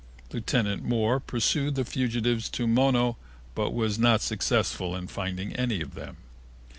Lieutenant Moore pursued the fugitives to Mono but was not successful in finding any of them.